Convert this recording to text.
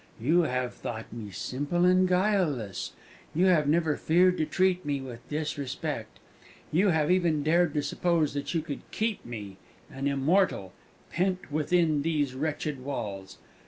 You have thought me simple and guileless; you have never feared to treat me with disrespect; you have even dared to suppose that you could keep me an immortal pent within these wretched walls!